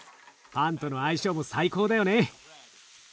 パンとの相性も最高だよね。